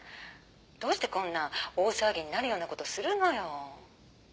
どうしてこんな大騒ぎになるようなことするのよ？